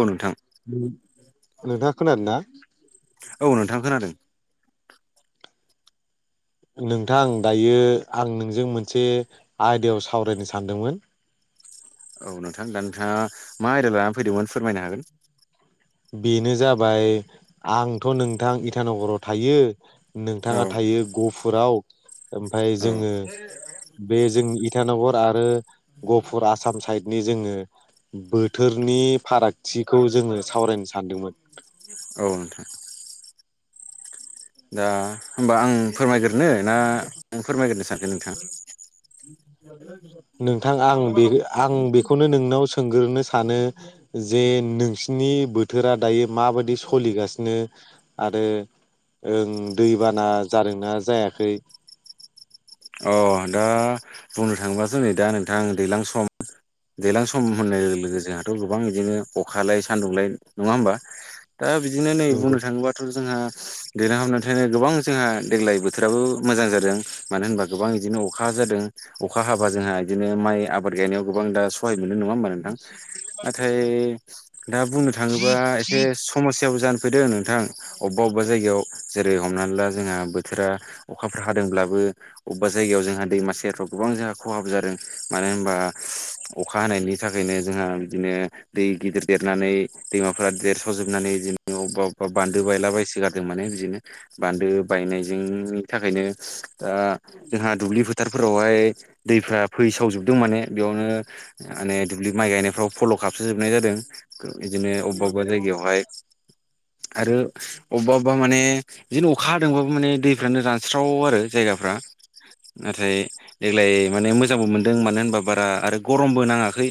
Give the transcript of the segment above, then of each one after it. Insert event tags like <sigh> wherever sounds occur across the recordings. औ नोंथां नोंथा खोनादों ना‌? औ नोंथां खोनादों नोंथां दायो आं नोंजों मोनसे आयदायाव सावरायनो सानदोंमोन औ नोंथां दा नोंथाङा मा आयदा लानानै फैदोंमोन फोरमायनो हागोन बेनो जाबाय आंथ' नोंथां इटानगराव थायो औ नोंथाङा थायो गफुराव ओमफ्राय औ जोङो बे जोंनि इटानगर आरो गपुर आसाम साइडनि जोङो बोथोरनि फारागथिखौ जोङो सावरायनो सानदोंमोन औ नोंथां दा होमबा आं फोरमायग्रो ना फोरमायग्रो सानगोन नोंथाङा <inaudible> नोंथां आं बे आं बेखौनो नोंनाव सोंग्रोनो सानो जे नोंसिनि बोथोरा दायो माबायदि सोलिगासिनो आरो ओं दैबाना जादोंना जायाखै अ दा बुंनो थाङोबासो नै दा नोंथां दैज्लां सम दैलां सम होननाय लोगो लोगो जोंहाथ' गोबां बिदिनो खखालाय सान्दुंलाय नङा होमबा दा बिदिनो नै नोंगौ बुंनो थाङोबाथ' जोंहा देरना हाबनानै थाखायनो गोबां जोंहा देग्लाय बोथोराबो मोजां जादों मानो होनबा गोबां बिदिनो अखा जादों अखा हाबा जोंहा बिदिनो माइ आबाद गायनायाव गोबां दा सहाय मोननाय नङा होमबा नोंथां नाथाय दा बुंनो थाङोबा एसे समस्याबो जानो फैदों नोंथां अबेबा अबेबा जायगायाव जेरै हमनानै ला जोंहा बोथोरा अखाफोर हादोंब्लाबो अबेबा जायगायाव जोंहा दैमा सेरफ्राव गोबां जोंहा खहाब जादों मानो होनबा अखा हानायनि थाखायनो जोंहा बिदिनो दै गिदिर देरनानै दैमाफ्रा देरस'जोबनानै जों अबेबा अबेबा बान्दो बायला बबायसिग माने बिदिनो बान्दो बायनायजोंनि थाखायनो द जोंहा दुब्लिफोर डक्टारफोरावहाय दैफ्रा फैसावजोबदों माने बेयावनो माने दुब्लि माइ गायनायफ्राव फल' गाबसोजोबनाय जादों बिदिनो अबेबा अबेबा जायगायावहाय आरो अबा अबब बा माने बिदिनो अखा हादोंबाबो माने दैफ्रानो रानस्राव आरो जायगाफ्रा नाथाय देग्लाय माने मोजांबो मोनदों मानो होनबा बारा आरो गरमबो नाङाखै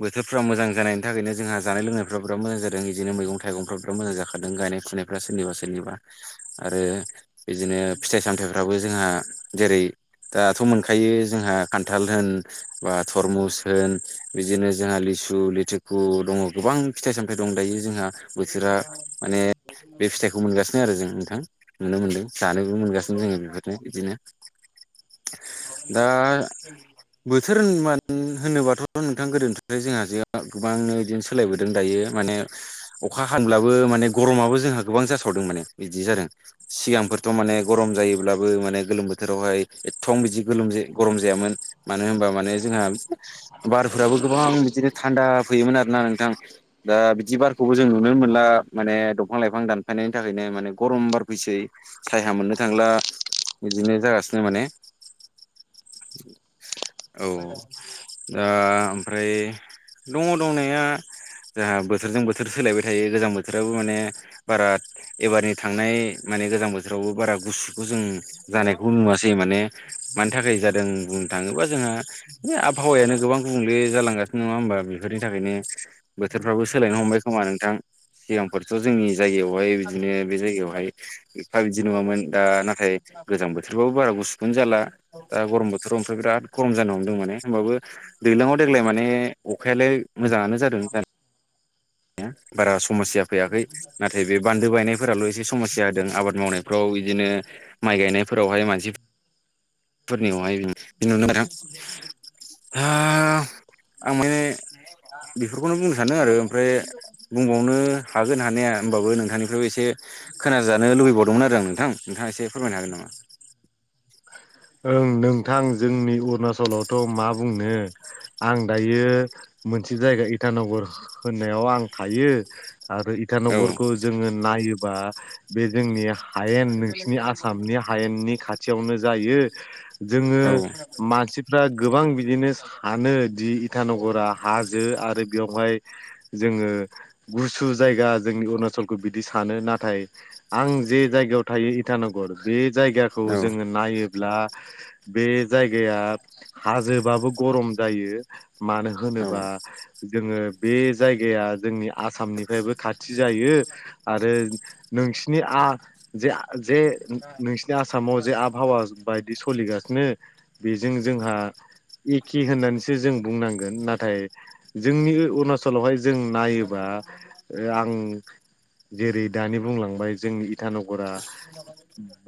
बोथोरफ्रा मोजां जानायनि थाखायनो जोंहा जानाय लोंनायफ्रा बिराद मोजां जादों बिदिनो मैगं थाइगंफ्रा बिराद मोजां जाखादों गायनाय फुनाय सोरनिबा सोरनिबा आरो बिदिनो फिथाइ सामथायाइफ्राबो जोंहा जेरै दाथ' मोनखायो जोंहा खान्थाल होन बा थरमुस होन बिदिनो जोंहा लिसु लिथुखु दङ गोबां फिथाइ सामथाय दं दायो जोंहा बोथोरा माने बे फिथाइखौ मोनगासिनो आरो जों नोंथां नुनो मोनदों जानोबो मोनगासिनो जोङो बेफोरनो बिदिनो दा बोथोरानो होनोबाथ' नोंथां गोदोनिफ्राय जोंहा जो गोबांनो बिदिनो सोलायबोदों दायो माने अखा हानब्लाबो माने गरमाबो जोंहा गोबां जाथ मान बिदि जादों सिगांथ' मान गम जायोब्लाबो मान गोलोम बोथोर बोथोराव हाय एथम बिदि गोल गरम जायामोन मानो होनबा माने जोंहा बारफोराबो गोबां बिदिनो थान्दा फैयोमोन आरोोना नोंथां दा बिदि बारखौबो जों नुनो मोनला माने दंफां लाइफां दानफायनायनि थाखायनो माने गरम बार फैसै सायहा मोननो थांला बिदिनो जागासिनो माने औ दा ओमफ्राय दङ दंनाया जाहहा बोथोरजों बोथोर सोलायबाय थायो गोजां बोथोराबो माने बारा एबारनि थांनाय माने गोजां बोथोरावबो बारा गुसुखौ जों जानायखौ नुवासै माने मानि थाखाय जादों बुंनो थाङोबा जोंहा बे आबहावायानो गोबां गुबुंले जालांगासिनो नङा होमबा बेफोरनि थाखायनो बोथोरफ्राबो सोलायनो हमबाय खोमा नोंथां सिगांफोरथ' जोंनि जायगायावहाय बिदिनो बे जायगायावहाय एफा बिदि नङामोन दा नाथाय गोजां बोथोरबाबो बारा गुसुखौनो जाला दा गरम बोथोराव ओमफ्राय बिराद गरम जान हांदों माने होमबाबो दैज्लाङाव देग्लाय माने अखायालाय मोजाङानो जादों द बारा समस्या फैयाखै नाथाय बे बान्दो बायनायफोराल' एसे समस्या होदों आबाद मावनायफ्राव बिदिनो माइ गायनायफोरावहाय मानसि पुर्निमाय बिनिनो आरो हा आं माने बेफोरखौनो बुंनो सानदों आरो ओमफ्राय बुंबावनो हागोन हानाया होमबाबो नोंथांनिफ्रायबो एसे खोनाजानो लुबैबावदोंमोन आरो आं नोंथां नोंथाङा एसे फोरमायनो हागोन नामा ओं नोंथां जोंनि अरुणाचलावथ' मा बुंनो आं दायो मोनसे जायगा इटानगर होननायाव आं थायो आरो हागोन इटानगरखौ जोङो नायोबा बे जोंनि हायेन नोंसिनि आसामनि हायेननि खाथियावनो जायो जोङो मानसिफ्रा गोबां बिदिनो सानो दि इटानगरा हाजो आरो बेयावहाय जोङो गुसु जायगा जोंनि अरुणाचलखौ बिदि सानो नाथाय आं जे जायगायाव थायो इटानगर बे जायगाखौ नामा जोङो नायोब्ला बे जायगाया हाजोबाबो गरम जायो मानो होनोबा जोङो बे जायगाया जोंनि आसामनिफ्रायबो खाथि जायो आरो नोंसिनि आ जे जे नोंसिनि आसामाव जे आबहावा बायदि सोलिगासिनो बेजों जोंहा एखे होननानैसो जों बुंनांगोन नाथाय जोंनि अरुणचलावहाय जों नायोबा आं जेरै दानि बुंलांबाय जोंनि इटानगरा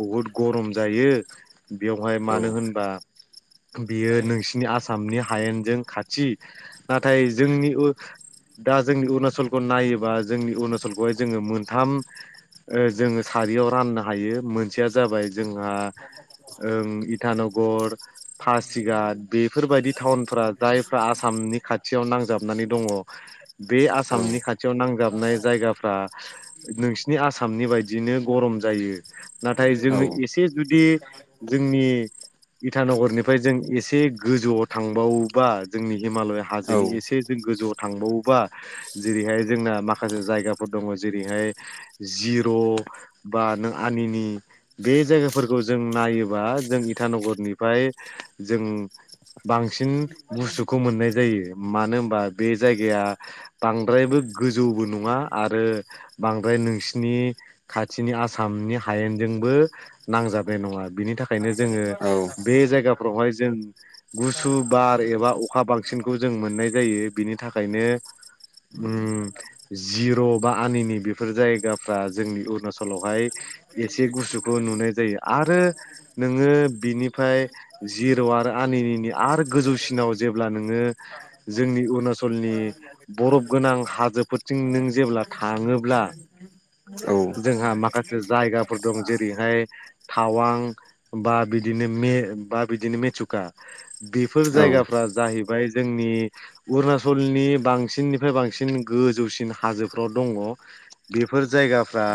बहुद गरम जायो बेवहाय मानो होनबा बियो नोंसिनि आसामनि हायेनजों खाथि नाथाय जोंनि दा जोंनि अरुणाचलखौ नायोबा जोंनि अरुणाचलखौहाय जोङो मोनथाम जोङो सारियाव राननो हायो मोनसेया जाबाय जोंहा ओं इटानगर पासिघाट बेफोरबायाददि टाउनफोरा जायफ्रा आसामनि खाथियाव नांजाबनानै दङ बे आसामनि खाथियाव नांजाबनाय जायगाफ्रा नोंसिनि आसाम आसामनि बायदियनो गरम जायो नाथाय औ जोङो एसे जुदि जोंनि इटानगरनिफ्राय जों एसे गोजौआव थांबावोबा जोंनि हिमालय औ हाजोनि एसे जों गोजौआव थांबावोबा जेरैहाय जोंना माखासे जायगाफोर दङ जेरैहाय जिर' बा नों आनिनि बे जायगाफोरखौ जों नायोबा जों इटानगरनिफ्राय जों बांसिन बुस्थुखौ मोननाय जायो मानो होनबा बे जायगाया बांद्रायबो गोजौबो नङा आरो बांद्राय नोंसि नि खाथिनि आसामनि हायेनजोंबो नांजाबनाय नङा बिनि थाखायनो जोङो औ बे जायगाफ्रावहाय जों गुसु बार एबा अखा बांसिनखौ जों मोननाय जायो बिनि थाखायनो उम जिर' बा आनिनि बेफोर जायगा फोरा जोंनि अरुणाचलावहाय एसे गुसुखौ नुनाय जायो आरो नोङो बिनिफ्राय जिर' आरो आनिनिनि आरो गोजौसिनाव जेब्ला नोङो जोंनि अरुणाचलनि बरफ गोनां हाजोफोरथिं नों जेब्ला थाङोब्ला जोंहा माखासे जायगाफोर दं जेरैहाय थावां बा बिदिनो मे बा बिदिनो मेसुखा बेफोर जायगाफ्रा जाहैबाय जोंनि अरुणचलनि बांसिननिफ्राय बांसिन गोजौसिन हाजोफ्राव दङ बेफोर जायगाफ्रा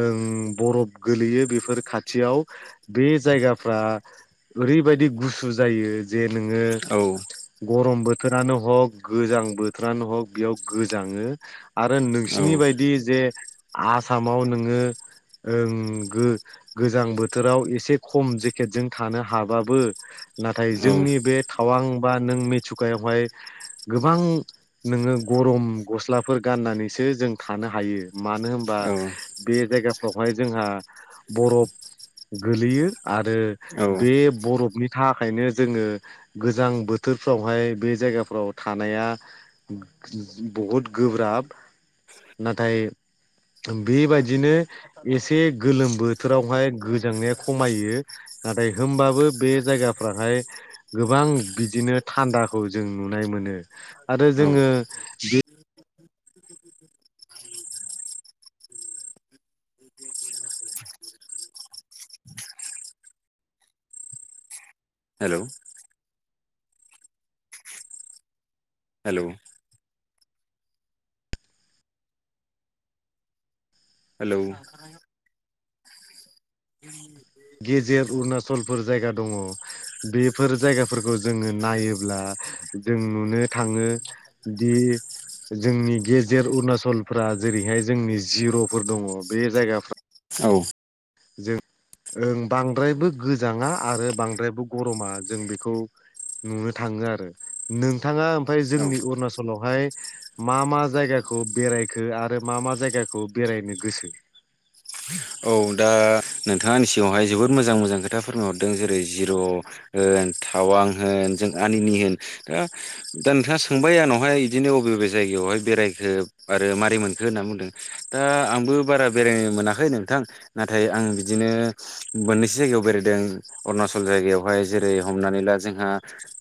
ओं बरफ गोलैयो बेफोर खाथियाव बे जायगाफ्रा ओरैबायदि गुसु जायो जे नोङो गरम बोथोरानो हक गोजां बोथोरानो हक बेयाव गोजाङो आरो नोंसिनि बायदि जे आसामाव नोङो ओं गो गोजां बोथोराव एसे खम जेकेटजों थानो हाबाबो नाथाय जोंनि बे थावां बा नों मेसुखायावहाय गोबां नोङो गरम गस्लाफोर गाननानैसो जों थानो हायो मानो होनबा बे जायगाफ्रावहाय जोंहा बरफ गोलैयो आरो औ बे बरफनि थाखायनो जोङो गोजां बोथोरफ्रावहाय बे जायगाफ्राव थानाया बहुद गोब्राब नाथाय बेबायदिनो एसे गोलोम बोथोरावहाय गोजांनाया खमायो। नाथाय होमबाबो बे जायगाफ्राहाय गोबां बिदिनो थान्दाखौ जों नुनाय मोनो आरो औ जोङो हेल' हेल' हेलौ आ जै गेजेर अरुनााचलफोर जायगा दङ। बेफोर जायगाफोरखौ जोङो नायोब्ला जों नुनो थाङो दि जोंनि गेजेर अरुणाचलफ्रा जेरैहाय जोंनि जिर'फोर दङ बे जायगाफ्रा औ। जों ओं बांद्रायबो गोजाङा आरो बांद्रायबो गरमा जों बेखौ नुनो थाङो आरो नोंथाङा ओमफफ्राय औ जोंनि अरुणाचलावहाय मा मा जायगाखौ बेरायखो आरो मा मा जायगाखौ बेरायनो गोसो औ दा नोंथाङानि सिगाङावहाय जोबोद मोजां मोजां खोथा फोरमायहरदों जेरै जिर' होन थटावां होन जों आनिनि होन दा दा नोंथाङा सोंबाय आंनावहाय बिदिनो बबे बबे जायगायावहाय बेरायखो आरो मारै मोनखो होनना बुंदों। दा आंबो बारा बेरायनो मोनाखै नोंथां नाथाय आं बिदिनो मोननैसो जायगायाव बेरायदों अरुणाचल जायगायावहाय जेरै हमनानै ला जोंहा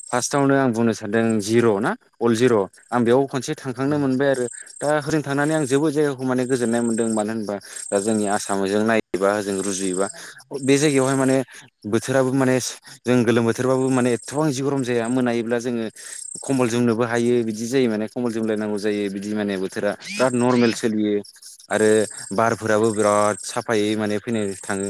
फार्स्टआवनो आं बुंनो सानदों जिर' ना अल जिर' आं बेयाव खनसे थांखांनो मोनबाय आरो दा ओजों थनानै आं जोबोद जायगाखौ माने गोजोननाय मोन्दों मानो होनबा दा जोंनि आसामजों नाय एबाजों रुजुयोबा बे जायगायावहाय माने बोथोराबो माने जों गोलोम बोथोरबाबो माने एथ'बां जिबो रम जाया मोनायोब्ला जोङो खम्बल जोमनोबो हायो बिदि जायो माने खम्बल जोमलायनांगौ जायो बिदि माने बोथोरा बिराद नरमेल सोलियो आरो बारफोराबो बिराद साफायै माने फैनो थाङो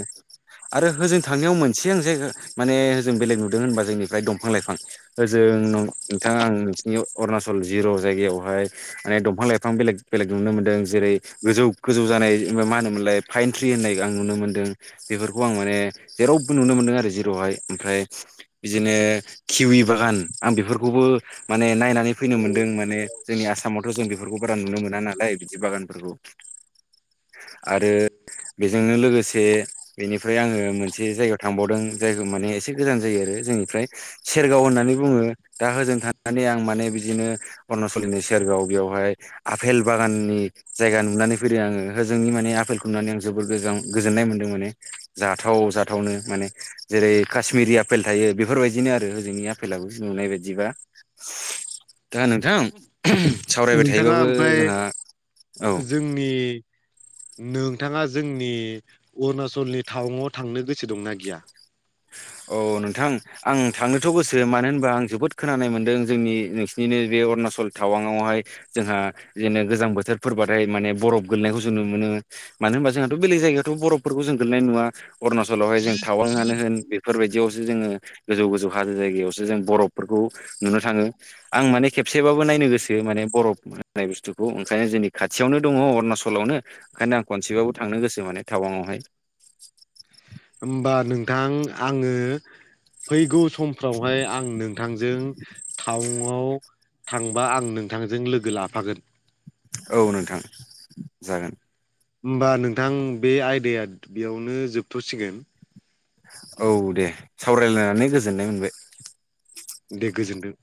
आरो होजों थांनायाव मोनसे आं जे माने होजों बेलेग नुदों होनबा जोंनिफ्राय दंफां - लाइफां ओजों नोंथाङा आं नोंसिनि अरुणाचल जिर' जायगायावहाय माने दंफां लाइफां बेलेग बेलेग नुनो मोन्दों जेरै गोजौ गोजौ जानाय मा होनोमोनलाय फाइ थ्रि होननाय आं नुनो मोन्दों बेफोरखौ आं माने जेरावबो नुनो मोनदों आरो जेरावहाय ओमफ्राय बिदिनो खिवि बागान आं बेफोरखौबो माने नायनानै फैनो मोनदों माने जोंनि आसामावथ' जों बेफोरखौ बारा नुनो मोना नालाय बिदि बागानफोरखौ आरो बेजोंनो लोगोसे बेनिफ्राय आङो मोनसे जायगायाव थांबावदों जायखौ माने एसे गोजान जायो आरो जोंनिफ्राय सेरगाव होननानै बुङो दा होजों थनानै आं माने बिदिनो अरुणचलिनि सेरगाव बेवहाय आफेल बागाननि जायगा नुनानै फैदों आङो होजोंनि माने आफेलखौ खुनानै आं जोबद गोज गोजोननाय मोनदों माने जाथाव जाथावनो माने जेरै काश्मिरि आफेल थायो बेफोरबायदिनो आरो हजोंनि आफेलाबो नुनाय बायदिबा दा नोंथां सावरायबाय नोंथाङा थायोबाबो जोंहा औ। बे। नोंथाङा जोंनि अरुणाचलनि टाउनाव थांनो गोसो दंना गैया? औ नोंथां आं थांनोथ' गोसो मानो होनबा आं जोबोद खोनानाय मोनदों जोंनि नोंसिनिनो बे अरुणाचल टावांआवहाय जोंहा जेननो गोजां बोथोरफोरबाथाय माने बरफ गोलैनायखौ जों नुनो मोनो मानो होनबा जोंहाथ' बेलेग जायगायावाथ' बरफफोरखौ जों गोलैनाय नुा अरुणनाचलावहाय जों थावां आनो होन बेफोरबायदियावसो जोङो गोजौ गोजौ हाजो जायगायावसो जों बरफफोरखौ नुनो थाङो। आं माने खेबसेबाबो नायनो गोसो माने बरफ होननाय बुस्थुखौ ओंखायनो जोंनि खाथियावनो दङ अरुणाचलावनो ओंखायनो आं खनसेबाबो थांनो गोसो माने टावांआवहाय होमबा नोंथां आङो फैगौ समफ्रावहाय आं नों नोंथांजों टाउनआव थांबा आं नोंथांजों लोगो लाफागोन। औ नोंथां जागोन। होमबा नोंथां बे आयदाया बेयावनो जोबथ'सिगोन। औ दे सावरायलायनानै गोजोननाय मोनबाय। दे गोजोनदों